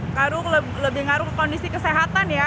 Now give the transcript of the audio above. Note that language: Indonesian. ngaruh lebih ngaruh ke kondisi kesehatan ya